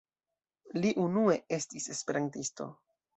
Li unue estis Esperantisto.